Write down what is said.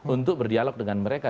untuk berdialog dengan mereka